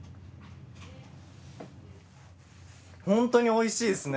ホントにおいしいですね。